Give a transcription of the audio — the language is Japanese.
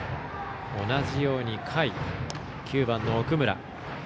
同じように下位、９番の奥村。